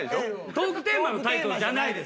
トークテーマのタイトルじゃないです。